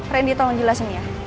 rendy tolong jelasin ya